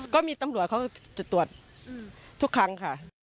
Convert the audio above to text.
ก็มีตำรวจเขาจะตรวจทุกครั้งค่ะ